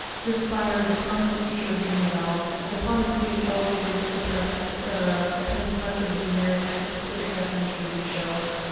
This spire is a prominent feature of the univalve; and upon its being elevated, depressed, &c., depends much of the generic and specific definition of these shells.